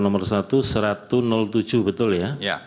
nomor satu satu ratus tujuh betul ya